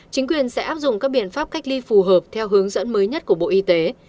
chính quyền sẽ áp dụng các biện pháp cách ly phù hợp theo hướng dẫn mới nhất của bộ y tế